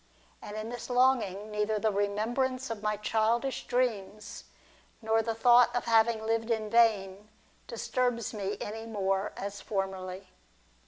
And in this longing, neither the remembrance of my childish dreams, nor the thought of having lived in vain, disturbs me any more as formerly.